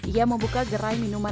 ia membuka gerai minuman